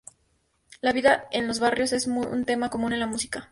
La vida en los barrios es un tema común en la música.